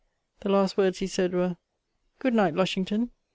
The last words he sayd were, 'Good night, Lushington.'